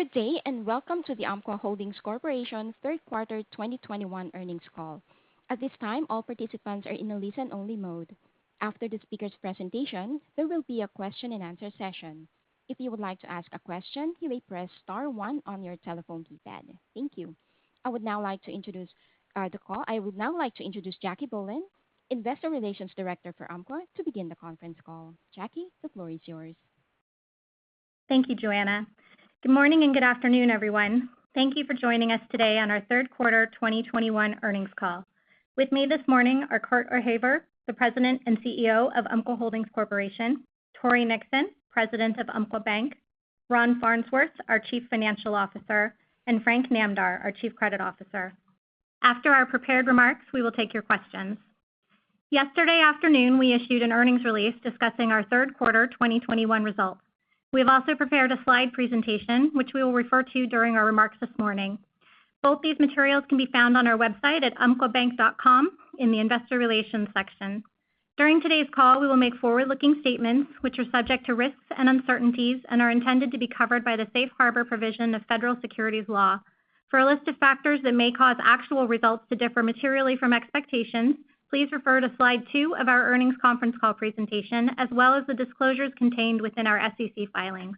Good day, and welcome to the Umpqua Holdings Corporation 3rd quarter 2021 earnings call. I would now like to introduce Jacque Bohlen, Investor Relations Director for Umpqua, to begin the conference call. Jacque, the floor is yours. Thank you, Joanna. Good morning and good afternoon, everyone. Thank you for joining us today on our third quarter 2021 earnings call. With me this morning are Cort O'Haver, the President and CEO of Umpqua Holdings Corporation; Tory Nixon, President of Umpqua Bank; Ron Farnsworth, our Chief Financial Officer; and Frank Namdar, our Chief Credit Officer. After our prepared remarks, we will take your questions. Yesterday afternoon, we issued an earnings release discussing our third quarter 2021 results. We have also prepared a slide presentation, which we will refer to during our remarks this morning. Both these materials can be found on our website at umpquabank.com in the investor relations section. During today's call, we will make forward-looking statements which are subject to risks and uncertainties and are intended to be covered by the safe harbor provision of federal securities law. For a list of factors that may cause actual results to differ materially from expectations, please refer to slide 2 of our earnings conference call presentation, as well as the disclosures contained within our SEC filings.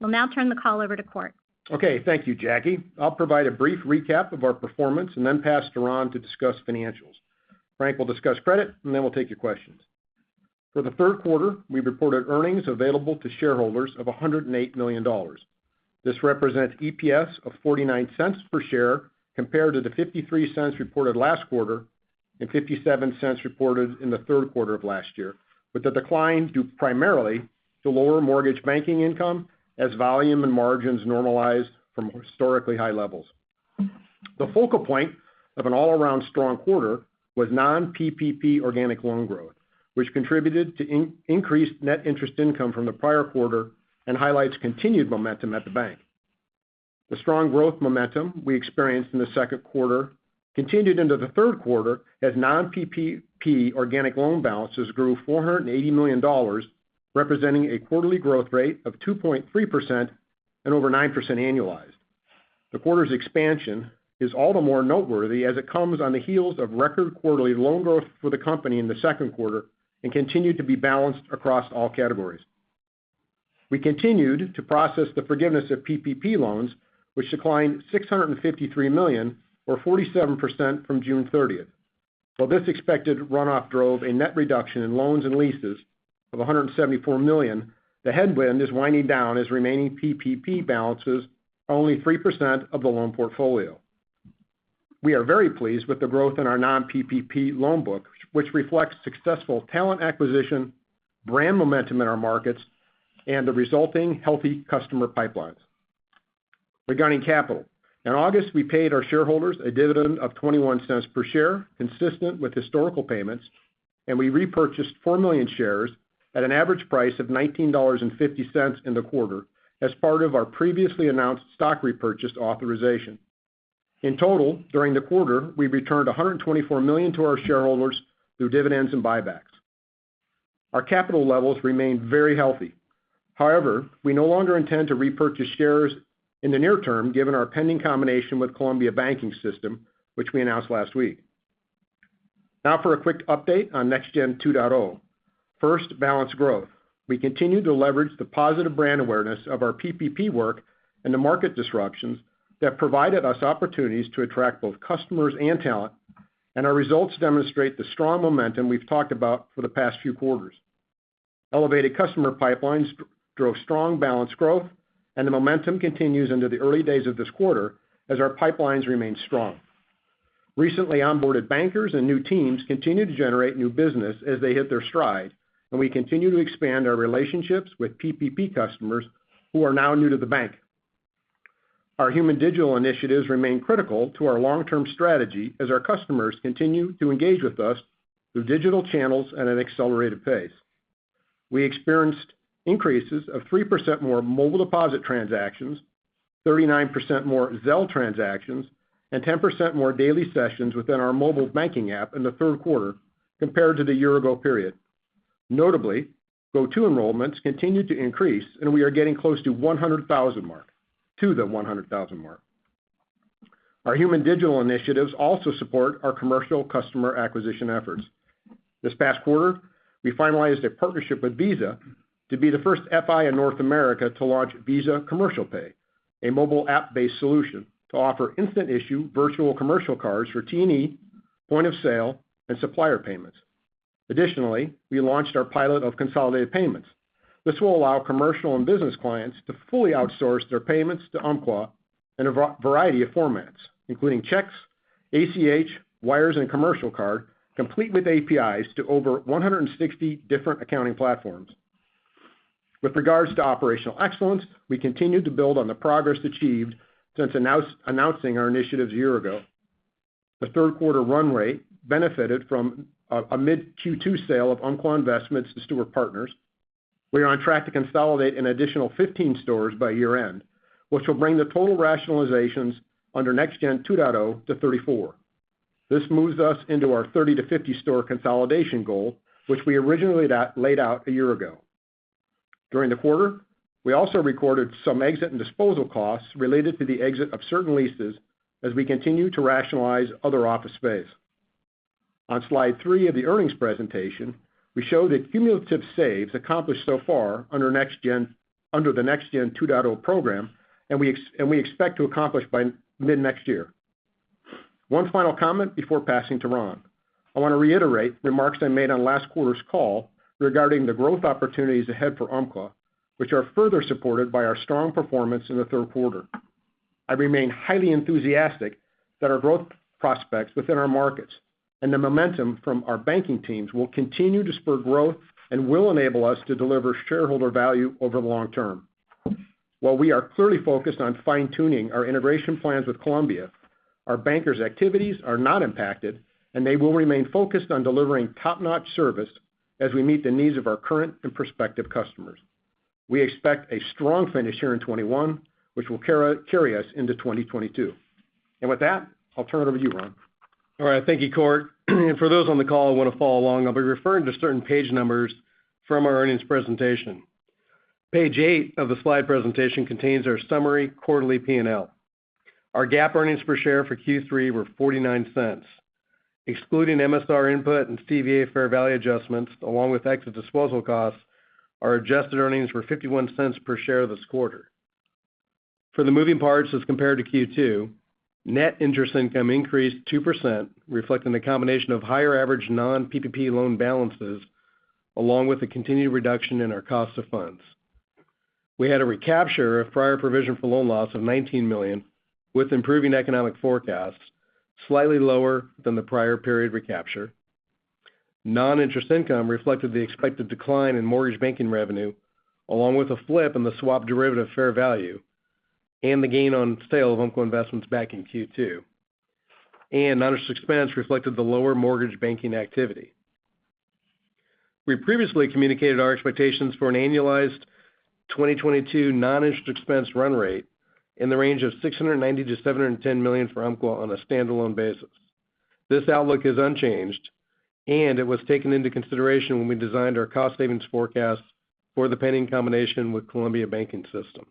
We'll now turn the call over to Cort. Okay. Thank you, Jacque. I'll provide a brief recap of our performance and then pass to Ron to discuss financials. Frank will discuss credit, and then we'll take your questions. For the third quarter, we reported earnings available to shareholders of $108 million. This represents EPS of $0.49 per share, compared to the $0.53 reported last quarter and $0.57 reported in the third quarter of last year, with the decline due primarily to lower mortgage banking income as volume and margins normalized from historically high levels. The focal point of an all-around strong quarter was non-PPP organic loan growth, which contributed to increased net interest income from the prior quarter and highlights continued momentum at the bank. The strong growth momentum we experienced in the second quarter continued into the third quarter as non-PPP organic loan balances grew $480 million, representing a quarterly growth rate of 2.3% and over 9% annualized. The quarter's expansion is all the more noteworthy as it comes on the heels of record quarterly loan growth for the company in the second quarter and continued to be balanced across all categories. We continued to process the forgiveness of PPP loans, which declined $653 million or 47% from June 30th. While this expected runoff drove a net reduction in loans and leases of $174 million, the headwind is winding down as remaining PPP balances are only 3% of the loan portfolio. We are very pleased with the growth in our non-PPP loan book, which reflects successful talent acquisition, brand momentum in our markets, and the resulting healthy customer pipelines. Regarding capital, in August, we paid our shareholders a dividend of $0.21 per share, consistent with historical payments, and we repurchased 4 million shares at an average price of $19.50 in the quarter as part of our previously announced stock repurchase authorization. In total, during the quarter, we returned $124 million to our shareholders through dividends and buybacks. Our capital levels remain very healthy. However, we no longer intend to repurchase shares in the near term given our pending combination with Columbia Banking System, which we announced last week. Now for a quick update on Next Gen 2.0. First, balanced growth. We continue to leverage the positive brand awareness of our PPP work and the market disruptions that provided us opportunities to attract both customers and talent. Our results demonstrate the strong momentum we've talked about for the past few quarters. Elevated customer pipelines drove strong balance growth. The momentum continues into the early days of this quarter as our pipelines remain strong. Recently onboarded bankers and new teams continue to generate new business as they hit their stride. We continue to expand our relationships with PPP customers who are now new to the bank. Our human digital initiatives remain critical to our long-term strategy as our customers continue to engage with us through digital channels at an accelerated pace. We experienced increases of 3% more mobile deposit transactions, 39% more Zelle transactions, and 10% more daily sessions within our mobile banking app in the third quarter compared to the year ago period. Notably, GoTo enrollments continue to increase, and we are getting close to the 100,000 mark. Our human digital initiatives also support our commercial customer acquisition efforts. This past quarter, we finalized a partnership with Visa to be the first FI in North America to launch Visa Commercial Pay, a mobile app-based solution to offer instant issue virtual commercial cards for T&E, point of sale, and supplier payments. Additionally, we launched our pilot of consolidated payments. This will allow commercial and business clients to fully outsource their payments to Umpqua in a variety of formats, including checks, ACH, wires, and commercial card, complete with APIs to over 160 different accounting platforms. With regards to operational excellence, we continue to build on the progress achieved since announcing our initiatives a year ago. The third quarter run rate benefited from a mid Q2 sale of Umpqua Investments to Steward Partners. We are on track to consolidate an additional 15 stores by year-end, which will bring the total rationalizations under Next Gen 2.0 to 34. This moves us into our 30-50 store consolidation goal, which we originally laid out a year ago. During the quarter, we also recorded some exit and disposal costs related to the exit of certain leases as we continue to rationalize other office space. On slide three of the earnings presentation, we show the cumulative saves accomplished so far under the Next Gen 2.0 program and we expect to accomplish by mid-next year. One final comment before passing to Ron. I want to reiterate remarks I made on last quarter's call regarding the growth opportunities ahead for Umpqua, which are further supported by our strong performance in the third quarter. I remain highly enthusiastic that our growth prospects within our markets and the momentum from our banking teams will continue to spur growth and will enable us to deliver shareholder value over the long term. While we are clearly focused on fine-tuning our integration plans with Columbia, our bankers' activities are not impacted, and they will remain focused on delivering top-notch service as we meet the needs of our current and prospective customers. We expect a strong finish here in 2021, which will carry us into 2022. With that, I'll turn it over to you, Ron. All right. Thank you, Cort. For those on the call who want to follow along, I'll be referring to certain page numbers from our earnings presentation. Page eight of the slide presentation contains our summary quarterly P&L. Our GAAP earnings per share for Q3 were $0.49. Excluding MSR impute and CVA fair value adjustments, along with exit disposal costs, our adjusted earnings were $0.51 per share this quarter. For the moving parts as compared to Q2, net interest income increased 2%, reflecting the combination of higher average non-PPP loan balances, along with the continued reduction in our cost of funds. We had a recapture of prior provision for loan loss of $19 million with improving economic forecasts, slightly lower than the prior period recapture. Non-interest income reflected the expected decline in mortgage banking revenue, along with a flip in the swap derivative fair value and the gain on sale of Umpqua Investments back in Q2. Non-interest expense reflected the lower mortgage banking activity. We previously communicated our expectations for an annualized 2022 non-interest expense run rate in the range of $690 million-$710 million for Umpqua on a standalone basis. This outlook is unchanged, and it was taken into consideration when we designed our cost savings forecast for the pending combination with Columbia Banking System.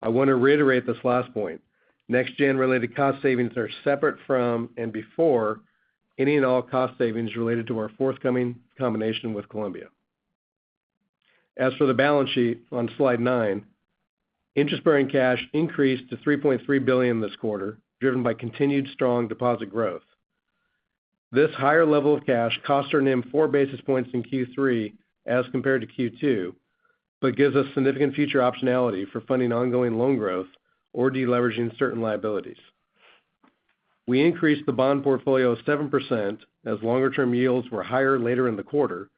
I want to reiterate this last point. Next Gen related cost savings are separate from and before any and all cost savings related to our forthcoming combination with Columbia. As for the balance sheet on slide nine, interest-bearing cash increased to $3.3 billion this quarter, driven by continued strong deposit growth. This higher level of cash cost our NIM 4 basis points in Q3 as compared to Q2, gives us significant future optionality for funding ongoing loan growth or de-leveraging certain liabilities. We increased the bond portfolio 7% as longer-term yields were higher later in the quarter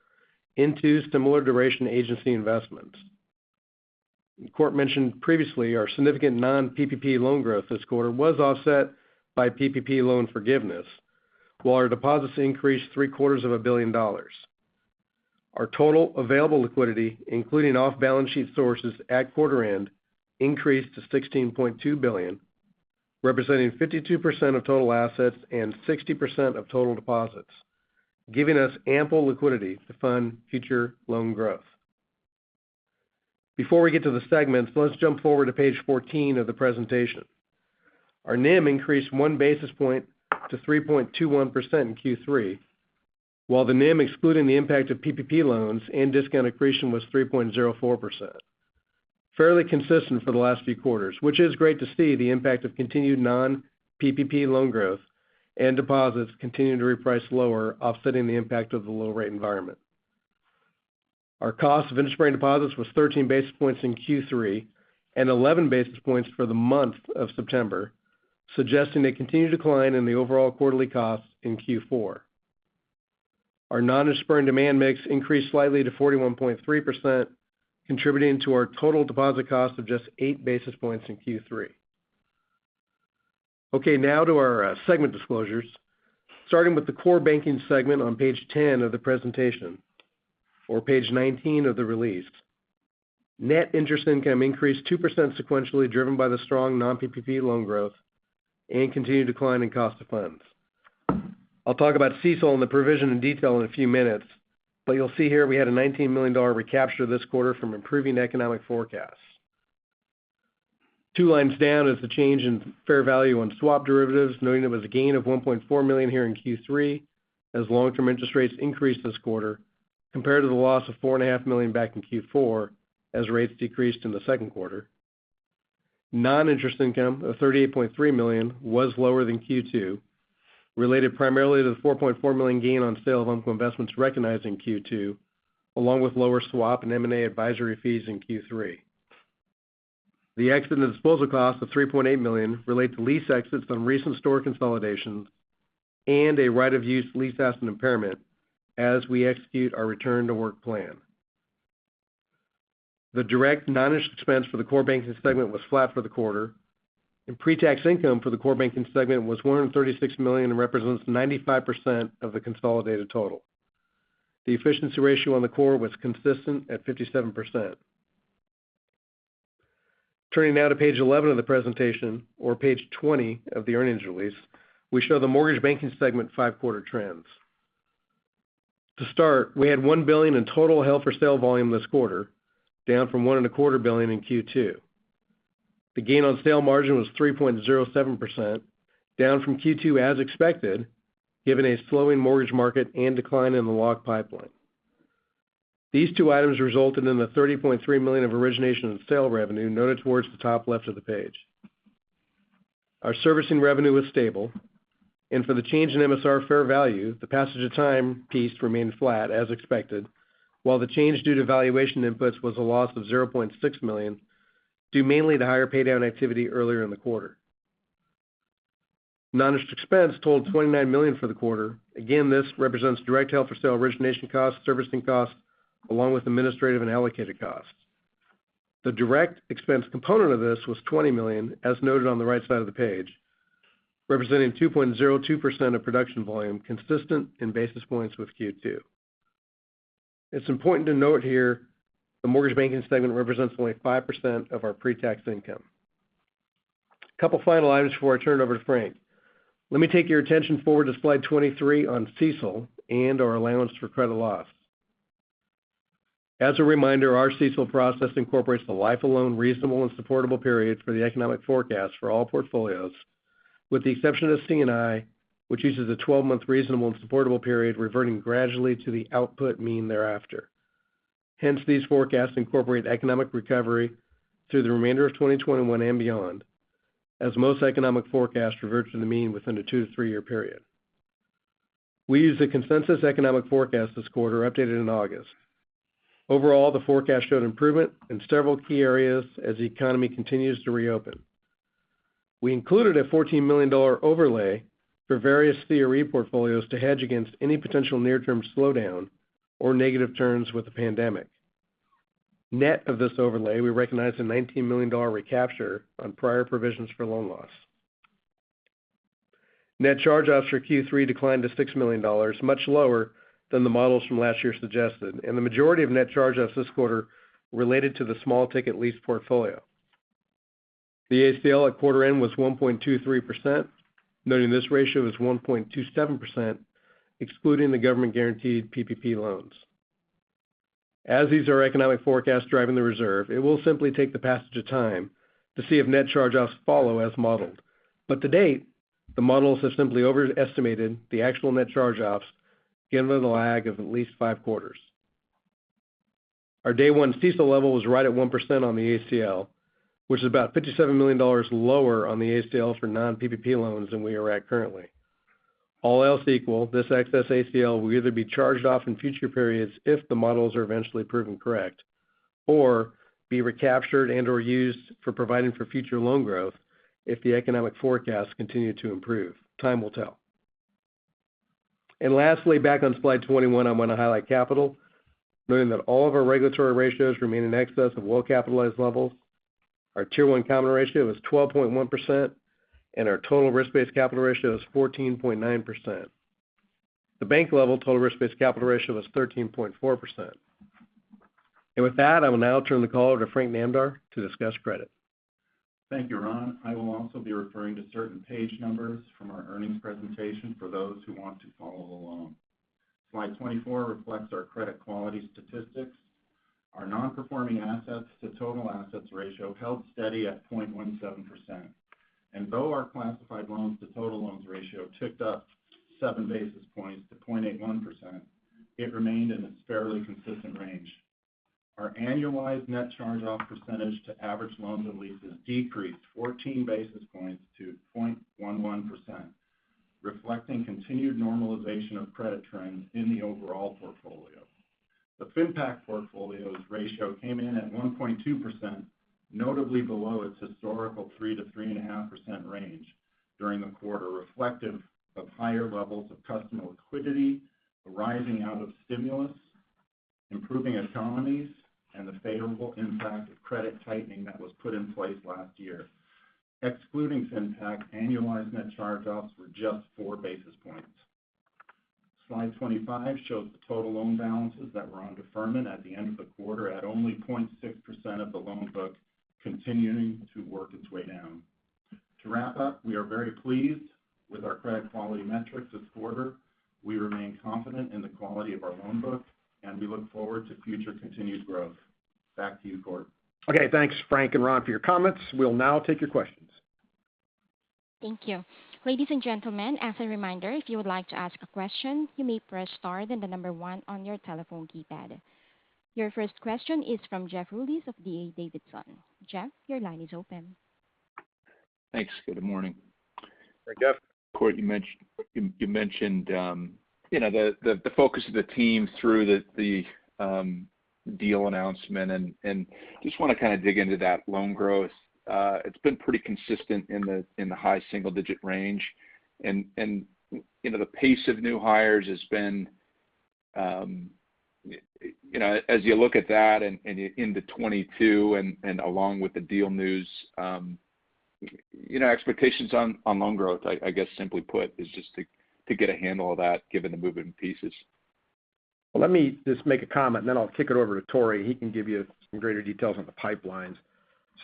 into similar duration agency investments. Cort mentioned previously our significant non-PPP loan growth this quarter was offset by PPP loan forgiveness, while our deposits increased three-quarters of a billion dollars. Our total available liquidity, including off-balance sheet sources at quarter end, increased to $16.2 billion, representing 52% of total assets and 60% of total deposits, giving us ample liquidity to fund future loan growth. Before we get to the segments, let's jump forward to page 14 of the presentation. Our NIM increased 1 basis point to 3.21% in Q3, while the NIM excluding the impact of PPP loans and discount accretion was 3.04%. Fairly consistent for the last few quarters, which is great to see the impact of continued non-PPP loan growth and deposits continuing to reprice lower, offsetting the impact of the low rate environment. Our cost of interest-bearing deposits was 13 basis points in Q3 and 11 basis points for the month of September, suggesting a continued decline in the overall quarterly costs in Q4. Our non-interest-bearing demand mix increased slightly to 41.3%, contributing to our total deposit cost of just 8 basis points in Q3. Okay, now to our segment disclosures. Starting with the core banking segment on page 10 of the presentation or page 19 of the release. Net interest income increased 2% sequentially, driven by the strong non-PPP loan growth and continued decline in cost of funds. I'll talk about CECL and the provision in detail in a few minutes. You'll see here we had a $19 million recapture this quarter from improving economic forecasts. Two lines down is the change in fair value on swap derivatives, noting there was a gain of $1.4 million here in Q3 as long-term interest rates increased this quarter compared to the loss of $4.5 million back in Q4 as rates decreased in the second quarter. Non-interest income of $38.3 million was lower than Q2, related primarily to the $4.4 million gain on sale of Umpqua Investments recognized in Q2, along with lower swap and M&A advisory fees in Q3. The exit and disposal cost of $3.8 million relate to lease exits from recent store consolidations and a right-of-use lease asset impairment as we execute our return-to-work plan. The direct non-interest expense for the core banking segment was flat for the quarter. Pre-tax income for the core banking segment was $136 million and represents 95% of the consolidated total. The efficiency ratio on the core was consistent at 57%. Turning now to page 11 of the presentation or page 20 of the earnings release, we show the mortgage banking segment five quarter trends. To start, we had $1 billion in total held for sale volume this quarter, down from $1.25 billion in Q2. The gain on sale margin was 3.07%, down from Q2 as expected, given a slowing mortgage market and decline in the lock pipeline. These two items resulted in the $30.3 million of origination on sale revenue noted towards the top left of the page. Our servicing revenue was stable, and for the change in MSR fair value, the passage of time piece remained flat as expected, while the change due to valuation inputs was a loss of $0.6 million, due mainly to higher pay down activity earlier in the quarter. Non-interest expense totaled $29 million for the quarter. Again, this represents direct held for sale origination costs, servicing costs, along with administrative and allocated costs. The direct expense component of this was $20 million, as noted on the right side of the page, representing 2.02% of production volume, consistent in basis points with Q2. It's important to note here the mortgage banking segment represents only 5% of our pre-tax income. Couple final items before I turn it over to Frank. Let me take your attention forward to slide 23 on CECL and our allowance for credit loss. As a reminder, our CECL process incorporates the life of loan reasonable and supportable period for the economic forecast for all portfolios, with the exception of C&I, which uses a 12-month reasonable and supportable period reverting gradually to the output mean thereafter. Hence, these forecasts incorporate economic recovery through the remainder of 2021 and beyond, as most economic forecasts revert to the mean within a two to three-year period. We used a consensus economic forecast this quarter updated in August. Overall, the forecast showed improvement in several key areas as the economy continues to reopen. We included a $14 million overlay for various CRE portfolios to hedge against any potential near-term slowdown or negative turns with the pandemic. Net of this overlay, we recognized a $19 million recapture on prior provisions for loan loss. Net charge-offs for Q3 declined to $6 million, much lower than the models from last year suggested, and the majority of net charge-offs this quarter related to the small ticket lease portfolio. The ACL at quarter end was 1.23%, noting this ratio was 1.27%, excluding the government-guaranteed PPP loans. As these are economic forecasts driving the reserve, it will simply take the passage of time to see if net charge-offs follow as modeled. To date, the models have simply overestimated the actual net charge-offs, given the lag of at least five quarters. Our day one CECL level was right at 1% on the ACL, which is about $57 million lower on the ACL for non-PPP loans than we are at currently. All else equal, this excess ACL will either be charged off in future periods if the models are eventually proven correct, or be recaptured and/or used for providing for future loan growth if the economic forecasts continue to improve. Time will tell. Lastly, back on slide 21, I am going to highlight capital, noting that all of our regulatory ratios remain in excess of well-capitalized levels. Our Tier 1 common ratio is 12.1%, our total risk-based capital ratio is 14.9%. The bank-level total risk-based capital ratio was 13.4%. With that, I will now turn the call over to Frank Namdar to discuss credit. Thank you, Ron. I will also be referring to certain page numbers from our earnings presentation for those who want to follow along. Slide 24 reflects our credit quality statistics. Our non-performing assets to total assets ratio held steady at 0.17%. Though our classified loans to total loans ratio ticked up 7 basis points to 0.81%, it remained in its fairly consistent range. Our annualized net charge-off percentage to average loans and leases decreased 14 basis points to 0.11%, reflecting continued normalization of credit trends in the overall portfolio. The FinPac portfolio's ratio came in at 1.2%, notably below its historical 3%-3.5% range during the quarter, reflective of higher levels of customer liquidity arising out of stimulus, improving economies, and the favorable impact of credit tightening that was put in place last year. Excluding FinPac, annualized net charge-offs were just 4 basis points. Slide 25 shows the total loan balances that were on deferment at the end of the quarter at only 0.6% of the loan book, continuing to work its way down. To wrap up, we are very pleased with our credit quality metrics this quarter. We remain confident in the quality of our loan book, and we look forward to future continued growth. Back to you, Cort. Okay, thanks Frank and Ron for your comments. We'll now take your questions. Thank you. Ladies and gentlemen, as a reminder, if you would like to ask a question, you may press star then one on your telephone keypad. Your first question is from Jeff Rulis of D.A. Davidson. Jeff, your line is open. Thanks. Good morning. Hi, Jeff. Cort, you mentioned the focus of the team through the deal announcement. Just want to kind of dig into that loan growth. It's been pretty consistent in the high single-digit range. The pace of new hires as you look at that and into 2022 and along with the deal news, expectations on loan growth, I guess simply put, is just to get a handle of that given the moving pieces. Let me just make a comment and then I'll kick it over to Tory. He can give you some greater details on the pipelines.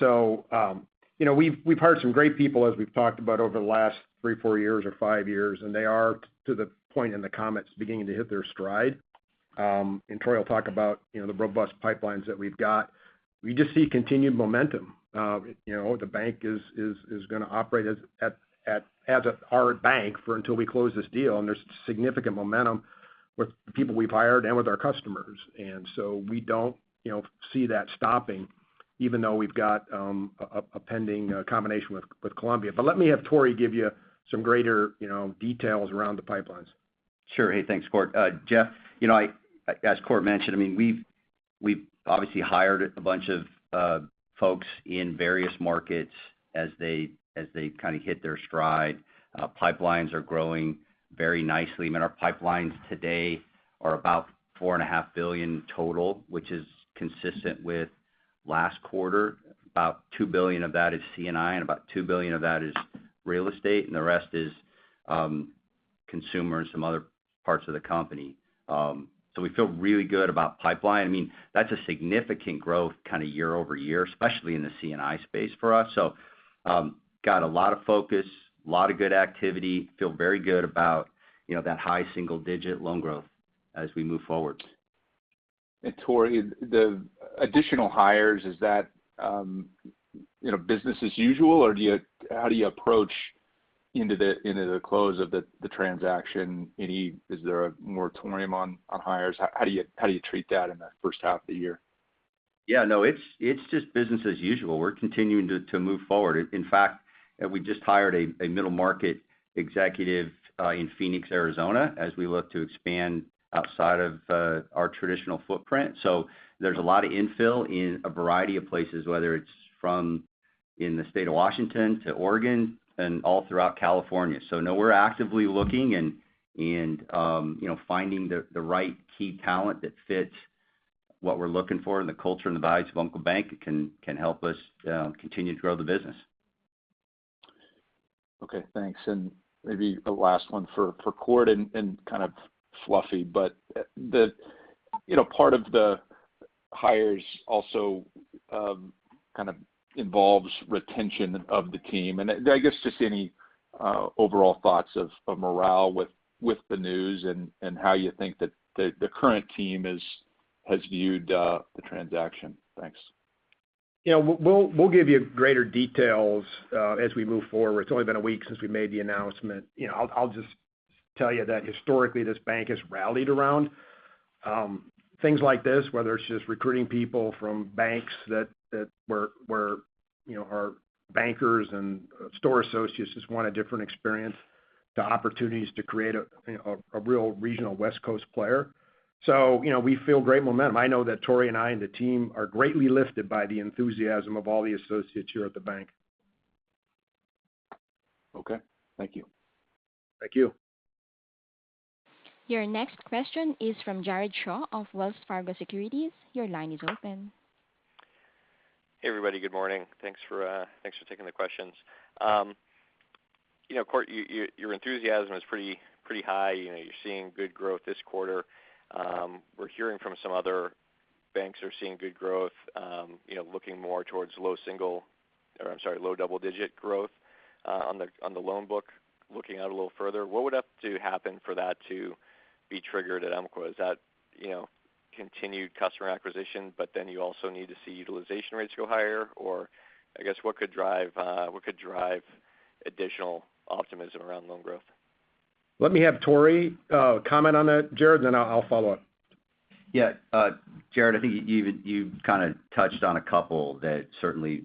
We've hired some great people, as we've talked about over the last three, four years, or five years, and they are to the point in the comments beginning to hit their stride. Tory will talk about the robust pipelines that we've got. We just see continued momentum. The bank is going to operate as a hard bank for until we close this deal. There's significant momentum with the people we've hired and with our customers. We don't see that stopping even though we've got a pending combination with Columbia. Let me have Tory give you some greater details around the pipelines. Sure. Thanks, Cort. Jeff, as Cort mentioned, we've obviously hired a bunch of folks in various markets as they kind of hit their stride. Pipelines are growing very nicely. I mean, our pipelines today are about $4.5 billion total, which is consistent with last quarter. About $2 billion of that is C&I, and about $2 billion of that is real estate, and the rest is consumer and some other parts of the company. We feel really good about pipeline. That's a significant growth year-over-year, especially in the C&I space for us. Got a lot of focus, lot of good activity, feel very good about that high single-digit loan growth as we move forward. Tory, the additional hires, is that business as usual? How do you approach into the close of the transaction is there a moratorium on hires? How do you treat that in the first half of the year? Yeah, no, it's just business as usual. We're continuing to move forward. In fact, we just hired a middle market executive in Phoenix, Arizona, as we look to expand outside of our traditional footprint. There's a lot of infill in a variety of places, whether it's from in the state of Washington to Oregon and all throughout California. No, we're actively looking and finding the right key talent that fits what we're looking for and the culture and the values of Umpqua Bank can help us continue to grow the business. Okay, thanks. Maybe a last one for Cort and kind of fluffy, but part of the hires also kind of involves retention of the team. I guess just any overall thoughts of morale with the news and how you think that the current team has viewed the transaction. Thanks. We'll give you greater details as we move forward. It's only been 1 week since we made the announcement. I'll just tell you that historically, this bank has rallied around things like this, whether it's just recruiting people from banks that where our bankers and store associates just want a different experience, to opportunities to create a real regional West Coast player. We feel great momentum. I know that Tory and I and the team are greatly lifted by the enthusiasm of all the associates here at the bank. Okay. Thank you. Thank you. Your next question is from Jared Shaw of Wells Fargo Securities. Your line is open. Hey, everybody. Good morning. Thanks for taking the questions. Cort, your enthusiasm is pretty high. You're seeing good growth this quarter. We're hearing from some other banks who are seeing good growth, looking more towards low double-digit growth on the loan book. Looking out a little further, what would have to happen for that to be triggered at Umpqua? Is that continued customer acquisition, but then you also need to see utilization rates go higher? I guess, what could drive additional optimism around loan growth? Let me have Tory comment on that, Jared, then I'll follow up. Yeah. Jared, I think you kind of touched on a couple that certainly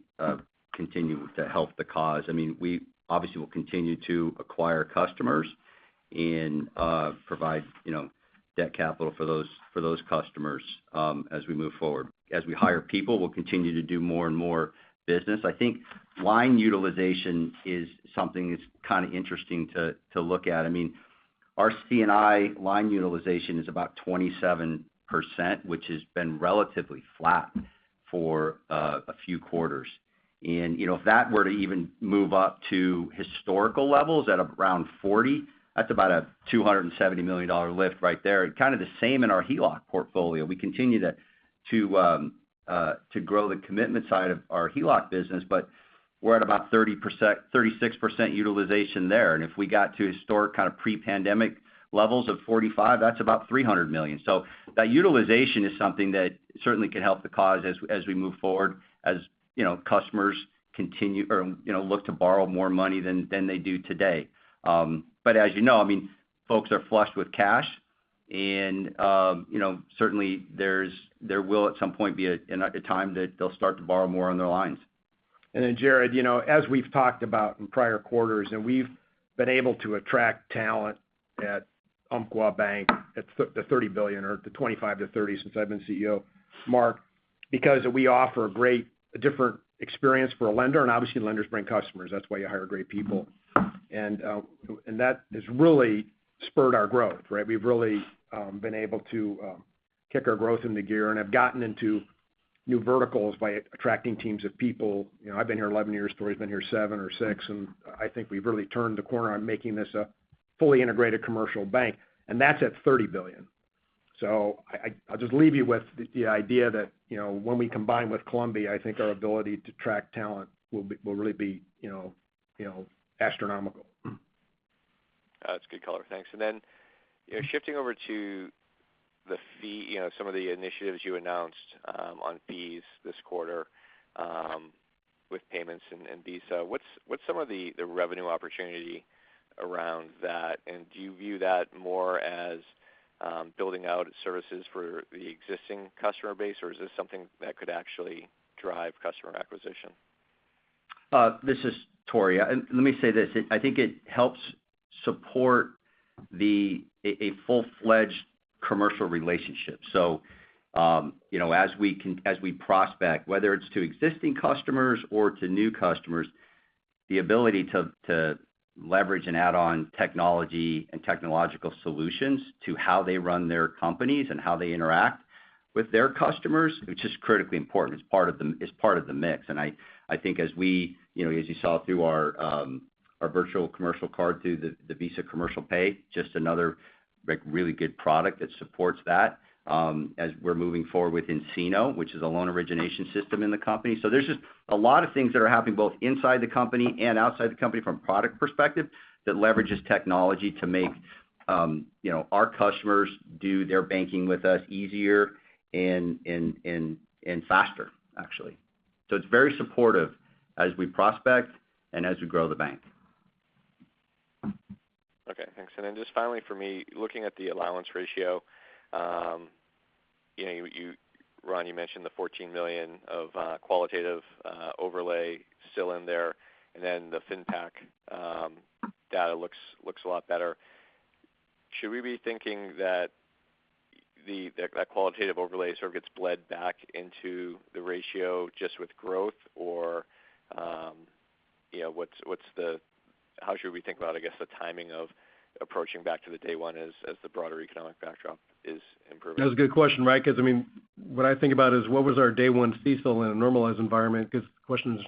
continue to help the cause. We obviously will continue to acquire customers and provide debt capital for those customers as we move forward. As we hire people, we'll continue to do more and more business. I think line utilization is something that's kind of interesting to look at. Our C&I line utilization is about 27%, which has been relatively flat for a few quarters. If that were to even move up to historical levels at around 40%, that's about a $270 million lift right there. Kind of the same in our HELOC portfolio. We continue to grow the commitment side of our HELOC business, but we're at about 36% utilization there. If we got to historic kind of pre-pandemic levels of 45%, that's about $300 million. That utilization is something that certainly could help the cause as we move forward, as customers continue or look to borrow more money than they do today. As you know, folks are flushed with cash, and certainly there will at some point be a time that they'll start to borrow more on their lines. Jared, as we've talked about in prior quarters, we've been able to attract talent at Umpqua Bank at the $30 billion, or the $25 billion to $30 billion since I've been CEO, mark because we offer a great different experience for a lender, obviously lenders bring customers. That's why you hire great people. That has really spurred our growth, right? We've really been able to kick our growth into gear and have gotten into new verticals by attracting teams of people. I've been here 11 years, Tory's been here seven or six, I think we've really turned the corner on making this a fully integrated commercial bank. That's at $30 billion. I'll just leave you with the idea that when we combine with Columbia, I think our ability to attract talent will really be astronomical. That's good color. Thanks. Then shifting over to some of the initiatives you announced on fees this quarter with payments and Visa, what's some of the revenue opportunity around that? Do you view that more as building out services for the existing customer base, or is this something that could actually drive customer acquisition? This is Tory. Let me say this, I think it helps support a full-fledged commercial relationship. So as we prospect, whether it's to existing customers or to new customers, the ability to leverage and add on technology and technological solutions to how they run their companies and how they interact with their customers, which is critically important. It's part of the mix. And I think as you saw through our virtual commercial card through the Visa Commercial Pay, just another really good product that supports that as we're moving forward with nCino, which is a loan origination system in the company. There's just a lot of things that are happening both inside the company and outside the company from a product perspective that leverages technology to make our customers do their banking with us easier and faster, actually. It's very supportive as we prospect and as we grow the bank. Okay, thanks. Just finally for me, looking at the allowance ratio, Ron, you mentioned the $14 million of qualitative overlay still in there, the FinTech data looks a lot better. Should we be thinking that that qualitative overlay sort of gets bled back into the ratio just with growth, or how should we think about, I guess, the timing of approaching back to the day one as the broader economic backdrop is improving? That's a good question because what I think about is what was our day one CECL in a normalized environment because the question is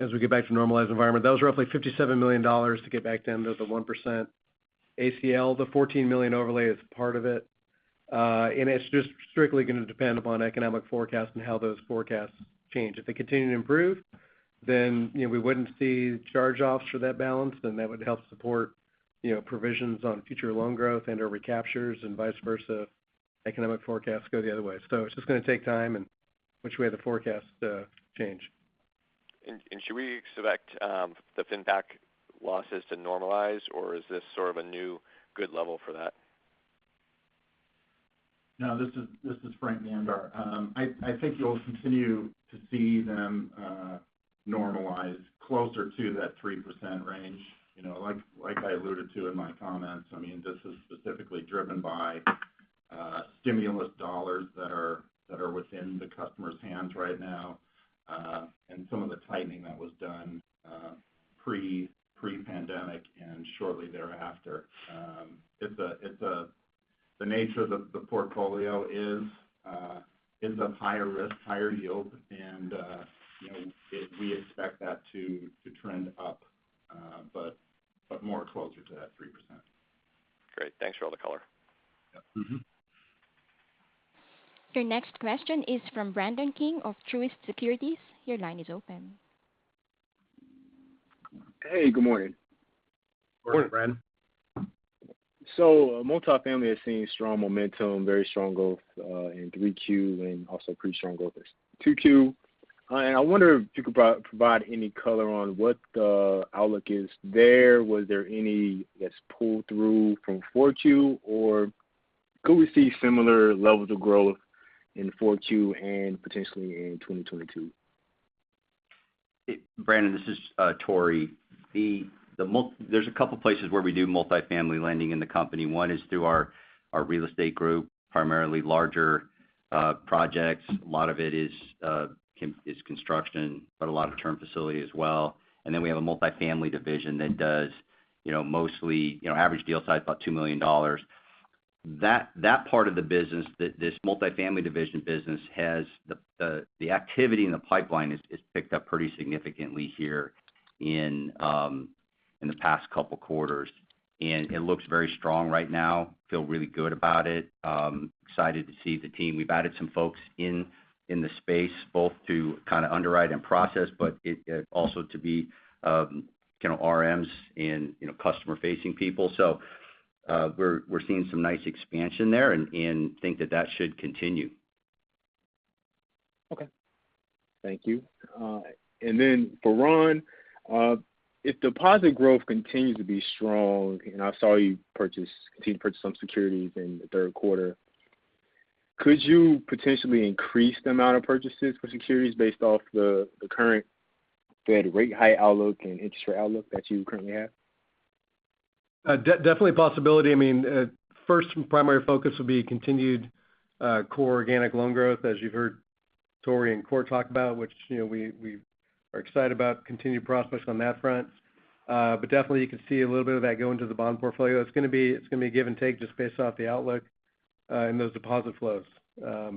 as we get back to a normalized environment. That was roughly $57 million to get back down to the 1% ACL. The $14 million overlay is part of it. It's just strictly going to depend upon economic forecasts and how those forecasts change. If they continue to improve, then we wouldn't see charge-offs for that balance, then that would help support provisions on future loan growth and/or recaptures and vice versa. Economic forecasts go the other way. It's just going to take time and which way the forecasts change. Should we expect the FinTech losses to normalize, or is this sort of a new good level for that? No, this is Frank Namdar. I think you'll continue to see them normalize closer to that 3% range. Like I alluded to in my comments, this is specifically driven by stimulus dollars that are within the customer's hands right now. Some of the tightening that was done pre-pandemic and shortly thereafter. The nature of the portfolio is a higher risk, higher yield, and we expect that to trend up but more closer to that 3%. Great. Thanks for all the color. Yeah. Your next question is from Brandon King of Truist Securities. Your line is open. Good morning. Morning, Brandon. Multifamily has seen strong momentum, very strong growth in 3Q and also pretty strong growth this 2Q. I wonder if you could provide any color on what the outlook is there. Was there any that is pulled through from 4Q, or could we see similar levels of growth in 4Q and potentially in 2022? Brandon, this is Tory. There's a couple places where we do multifamily lending in the company. One is through our real estate group, primarily larger projects. A lot of it is construction, but a lot of term facility as well. We have a multifamily division that does mostly average deal size about $2 million. That part of the business, this multifamily division business has the activity in the pipeline is picked up pretty significantly here in the past couple quarters. It looks very strong right now. Feel really good about it. Excited to see the team. We've added some folks in the space both to kind of underwrite and process, but also to be RMs and customer-facing people. We're seeing some nice expansion there and think that that should continue. Okay. Thank you. Then for Ron, if deposit growth continues to be strong, and I saw you continued to purchase some securities in the third quarter, could you potentially increase the amount of purchases for securities based off the current Fed rate height outlook and interest rate outlook that you currently have? Definitely a possibility. First primary focus will be continued core organic loan growth, as you've heard Tory and Cort talk about, which we are excited about continued progress on that front. Definitely, you can see a little bit of that going to the bond portfolio. It's going to be give and take just based off the outlook and those deposit flows. I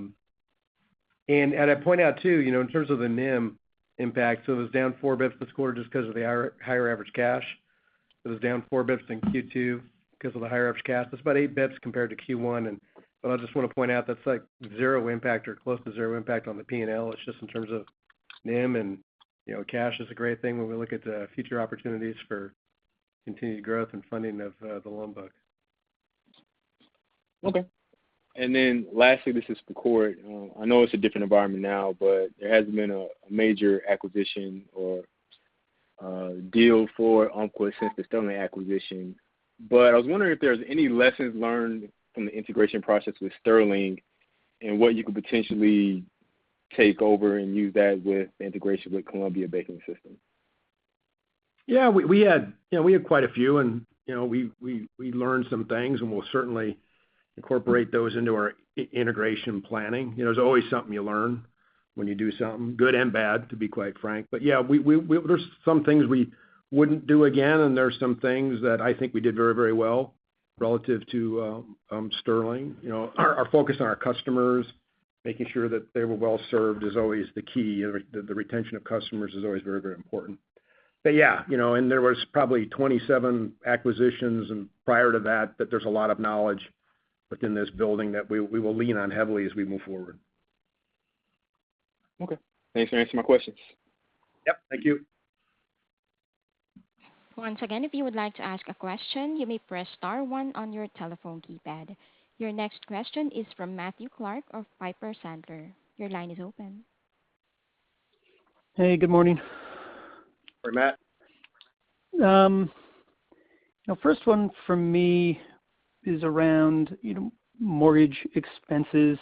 point out too, in terms of the NIM impact, it was down 4 basis points this quarter just because of the higher average cash. It was down 4 basis points in Q2 because of the higher average cash. That's about 8 basis points compared to Q1. I just want to point out that's zero impact or close to zero impact on the P&L. It's just in terms of NIM and cash is a great thing when we look at the future opportunities for continued growth and funding of the loan book. Okay. Lastly, this is for Cort. I know it's a different environment now, there hasn't been a major acquisition or deal for Umpqua since the Sterling acquisition. I was wondering if there's any lessons learned from the integration process with Sterling and what you could potentially take over and use that with the integration with Columbia Banking System. Yeah, we had quite a few and we learned some things, and we'll certainly incorporate those into our integration planning. There's always something you learn when you do something, good and bad, to be quite frank. Yeah, there's some things we wouldn't do again, and there are some things that I think we did very well relative to Sterling. Our focus on our customers, making sure that they were well-served is always the key. The retention of customers is always very important. Yeah, and there was probably 27 acquisitions and prior to that there's a lot of knowledge within this building that we will lean on heavily as we move forward. Okay. Thanks for answering my questions. Yep. Thank you. Once again, if you would like to ask a question, you may press star one on your telephone keypad. Your next question is from Matthew Clark of Piper Sandler. Your line is open. Hey, good morning. Morning, Matt. First one from me is around mortgage expenses.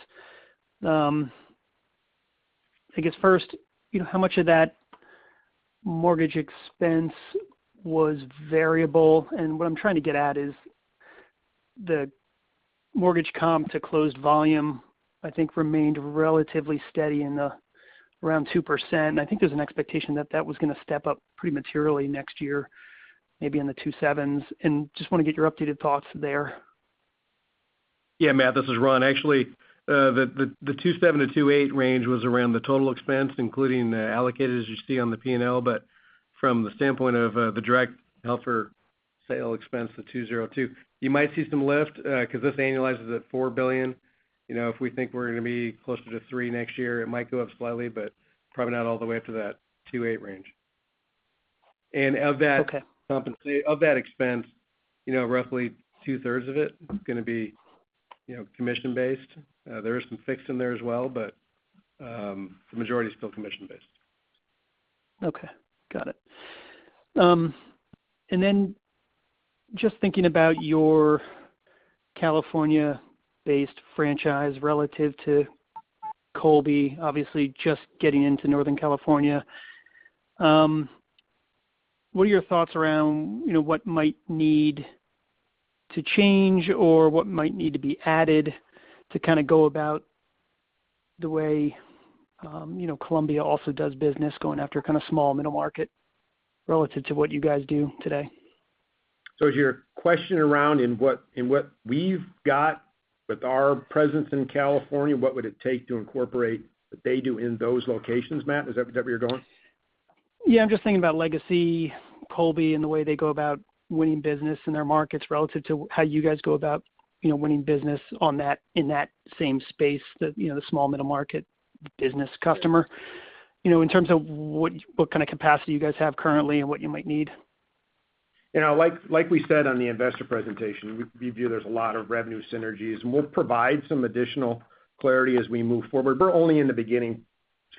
I guess first, how much of that mortgage expense was variable? What I'm trying to get at is the mortgage comp to closed volume, I think remained relatively steady in the around 2%. I think there's an expectation that that was going to step up pretty materially next year, maybe in the 2.7%. Just want to get your updated thoughts there. Matt, this is Ron. The $2.7-$2.8 range was around the total expense, including the allocated, as you see on the P&L. From the standpoint of the direct held for sale expense, the $2.02, you might see some lift because this annualizes at $4 billion. If we think we're going to be closer to $3 billion next year, it might go up slightly, but probably not all the way up to that $2.8 range. Okay. Of that expense, roughly two-thirds of it is going to be commission-based. There is some fixed in there as well, but the majority is still commission-based. Okay. Got it. Just thinking about your California-based franchise relative to Columbia, obviously just getting into Northern California. What are your thoughts around what might need to change or what might need to be added to go about the way Columbia also does business going after kind of small middle market relative to what you guys do today? Is your question around in what we've got with our presence in California, what would it take to incorporate what they do in those locations, Matt? Is that where you're going? I'm just thinking about Legacy, Columbia, and the way they go about winning business in their markets relative to how you guys go about winning business in that same space, the small middle market business customer. In terms of what kind of capacity you guys have currently and what you might need. Like we said on the investor presentation, we view there's a lot of revenue synergies, and we'll provide some additional clarity as we move forward. We're only in the beginning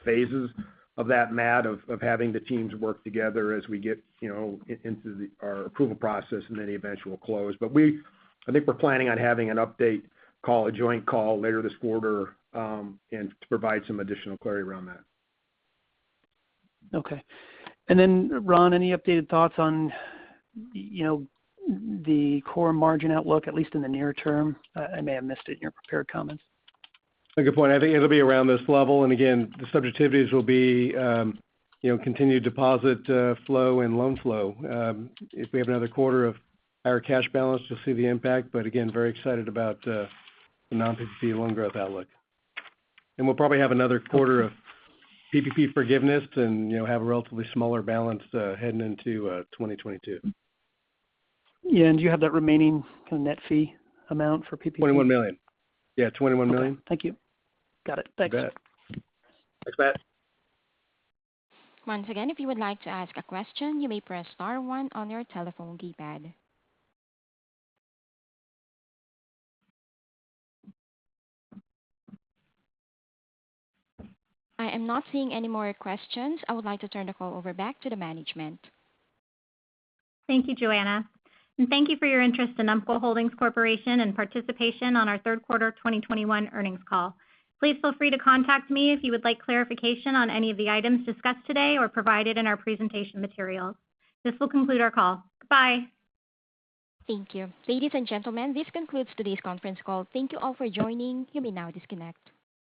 phases of that, Matt, of having the teams work together as we get into our approval process and then the eventual close. I think we're planning on having an update call, a joint call later this quarter, and to provide some additional clarity around that. Okay. Then Ron, any updated thoughts on the core margin outlook, at least in the near term? I may have missed it in your prepared comments. Good point. I think it'll be around this level. Again, the subjectivities will be continued deposit flow and loan flow. If we have another quarter of higher cash balance, you'll see the impact, but again, very excited about the non-PPP loan growth outlook. We'll probably have another quarter of PPP forgiveness and have a relatively smaller balance heading into 2022. Yeah. Do you have that remaining net fee amount for PPP? $21 million. Yeah, $21 million. Okay. Thank you. Got it. Thank you. You bet. Thanks, Matt. Once again, if you would like to ask a question, you may press star one on your telephone keypad. I am not seeing any more questions. I would like to turn the call over back to the management. Thank you, Joanna. Thank you for your interest in Umpqua Holdings Corporation and participation on our third quarter 2021 earnings call. Please feel free to contact me if you would like clarification on any of the items discussed today or provided in our presentation materials. This will conclude our call. Goodbye. Thank you. Ladies and gentlemen, this concludes today's conference call. Thank you all for joining. You may now disconnect.